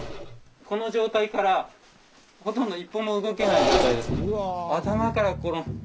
この状態からほとんど一歩も動けない状態ですね。